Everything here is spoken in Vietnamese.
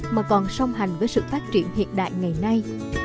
mà còn song hành với sự phát triển hiện đại ngày nay